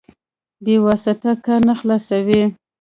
بې واسطې کار نه خلاصوي.